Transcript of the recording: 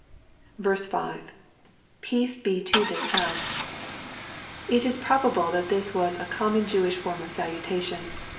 5. — [Peace he to this house.1 It is probable that this was a common Jewish form of salutation.